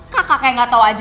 kakak kayak gak tau aja